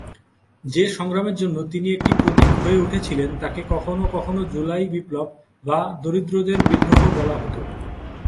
যে সংগ্রামের জন্য তিনি একটি প্রতীক হয়ে উঠেছিলেন তাকে কখনও কখনও "জুলাই বিপ্লব" বা "দরিদ্রদের বিদ্রোহ" বলা হত।